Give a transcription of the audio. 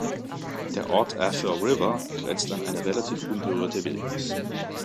Der Ort Arthur River grenzt an eine relativ unberührte Wildnis.